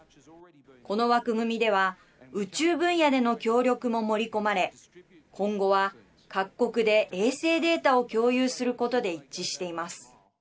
この枠組みでは宇宙分野での協力も盛り込まれ今後は、各国で衛星データを共有することで一致しています。